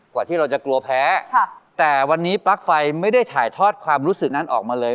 กว่าที่เราจะกลัวแพ้แต่วันนี้ปลั๊กไฟไม่ได้ถ่ายทอดความรู้สึกนั้นออกมาเลย